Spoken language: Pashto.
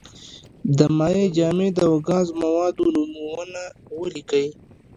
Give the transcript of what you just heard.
د مایع، جامد او ګاز موادو نومونه ولیکئ.